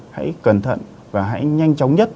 hãy cẩn thận và hãy nhanh chóng nhất